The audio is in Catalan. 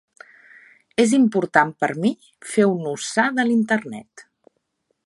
És important per mi fer un ús sa de l'Internet.